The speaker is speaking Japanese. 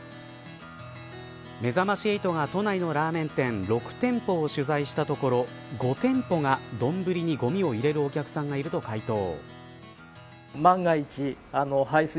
めざまし８が都内のラーメン店６店舗を取材したところ５店舗が、どんぶりにごみを入れるお客さんがいると回答。